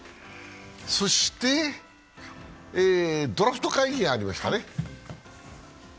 ドラフト会議がありましたね。